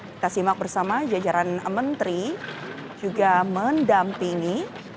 kita simak bersama jajaran menteri juga mendampingi